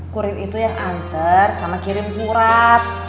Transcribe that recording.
kurir itu yang antar sama kirim surat